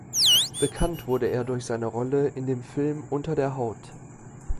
Bekannt wurde er durch seine Rolle in dem Film Unter der Haut.